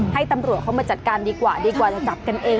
ให้ตำรวจเข้ามาจัดการดีกว่าดีกว่าจะจับกันเอง